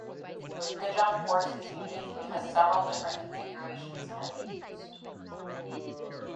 The jump course is unique because several different configurations can be used.